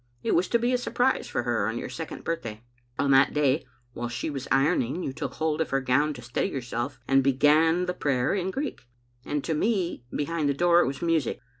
It was to be a surprise for her on your second birthday. On that day, while she was ironing, you took hold of her gown to steady yourself, and began, < Tldrep ijfixov 6 iv Tor? oupavox^^ ' and to me, behind the door, it was music.